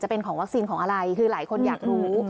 เป็นของวัคซีนของอะไรคือหลายคนอยากรู้